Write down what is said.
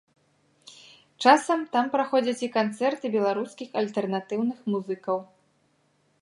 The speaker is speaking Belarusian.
Часам там праходзяць і канцэрты беларускіх альтэрнатыўных музыкаў.